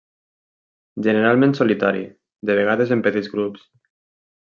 Generalment solitari, de vegades en petits grups.